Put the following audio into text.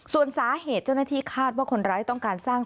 ส่วนสาเหตุเจ้าหน้าที่คาดว่าคนร้ายต้องการสร้าง